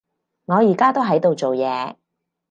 我而家都喺度做嘢